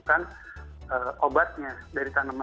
mungkin itu yang jadi urgensi untuk diteliti dan segera ditemukan